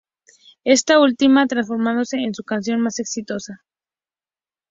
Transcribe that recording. Esta ultima transformándose en su canción más exitosa.